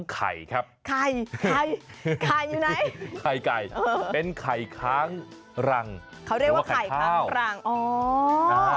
ไข่ไก่เป็นไข่ค้างรังเขาเรียกว่าไข่ค้างรัง